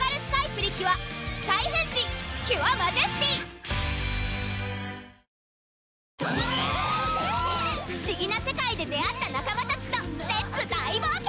プリキュア不思議な世界で出会った仲間たちとレッツ大冒険！